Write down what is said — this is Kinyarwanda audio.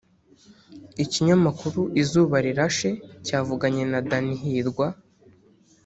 Ikinyamakuru Izuba Rirashe cyavuganye na Danny Hirwa